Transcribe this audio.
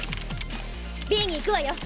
Ｂに行くわよ。